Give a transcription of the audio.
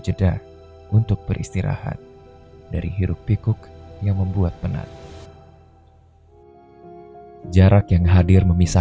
jeda untuk beristirahat dari hiruk pikuk yang membuat penat jarak yang hadir memisah